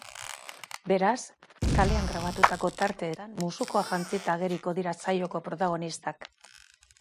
Beraz, kalean grabatutako tarteetan, musukoa jantzita ageriko dira saioko protagonistak.